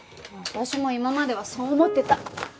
私も今まではそう思ってた。